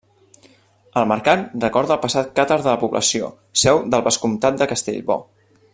El mercat recorda el passat càtar de la població, seu del vescomtat de Castellbò.